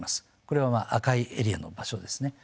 これはまあ赤いエリアの場所ですね。